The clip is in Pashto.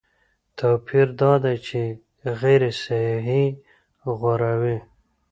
توپیر دا دی چې غیر صحي غوراوي